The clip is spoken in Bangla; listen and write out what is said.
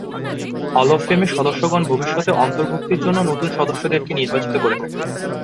হল অব ফেমের সদস্যগণ ভবিষ্যতে অন্তর্ভুক্তির লক্ষ্যে নতুন সদস্যদেরকে নির্বাচিত করে থাকেন।